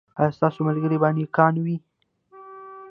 ایا ستاسو ملګري به نیکان نه وي؟